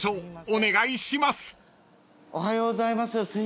おはようございます。